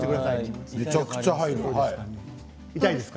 めちゃくちゃ入ります。